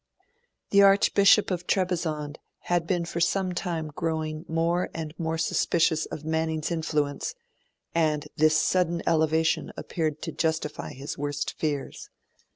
The Archbishop of Trebizond had been for some time growing more and more suspicious of Manning's influence, and this sudden elevation appeared to justify his worst fears.